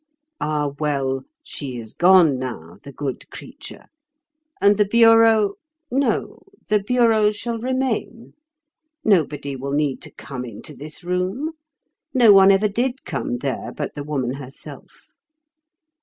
Ah, well! she is gone now, the good creature. And the bureau—no, the bureau shall remain. Nobody will need to come into this room, no one ever did come there but the woman herself.